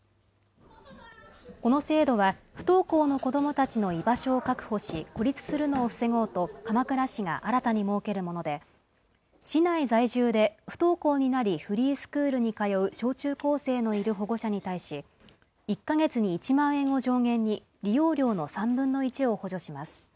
この制度は、不登校の子どもたちの居場所を確保し、孤立するのを防ごうと、鎌倉市が新たに設けるもので、市内在住で不登校になりフリースクールに通う小中高生のいる保護者に対し、１か月に１万円を上限に、利用料の３分の１を補助します。